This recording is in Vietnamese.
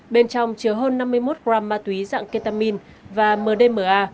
bên trong chứa hơn năm mươi một gram ma túy dạng ketamin và mdma